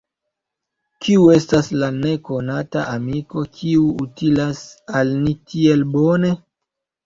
Kiu estas la nekonata amiko, kiu utilas al ni tiel bone?